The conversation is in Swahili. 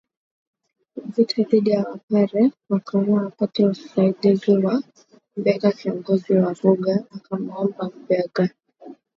vita dhidi ya Wapare wakaona wapate usaidizi wa Mbegha Kiongozi wa Vuga akamwomba Mbegha